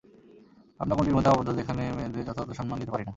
আমরা গণ্ডির মধ্যে আবদ্ধ, যেখানে মেয়েদের যথাযথ সম্মান দিতে পারি না।